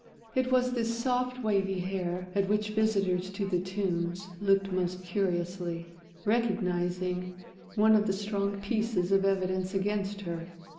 It was this soft, wavy hair at which visitors to The Tombs looked most curiously, recognizing one of the strong pieces of evidence against her.